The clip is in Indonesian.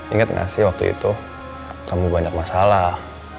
ingat gak sih waktu itu kamu banyak masalah